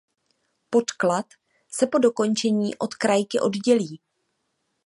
Podklad se po dokončení od krajky oddělí.